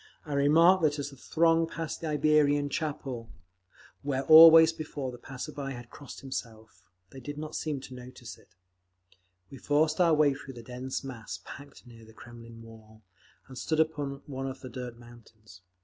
I remarked that as the throng passed the Iberian Chapel, where always before the passerby had crossed himself, they did not seem to notice it…. We forced our way through the dense mass packed near the Kremlin wall, and stood upon one of the dirt mountains.